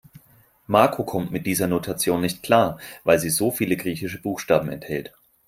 Marco kommt mit dieser Notation nicht klar, weil sie so viele griechische Buchstaben enthält.